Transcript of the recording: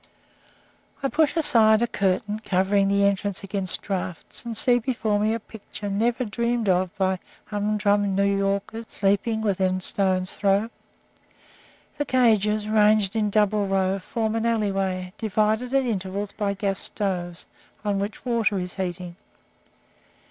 I push aside a curtain covering the entrance against drafts, and see before me a picture never dreamed of by humdrum New Yorkers sleeping within stone's throw. The cages, ranged in double row, form an alleyway, divided at intervals by gas stoves, on which water is heating.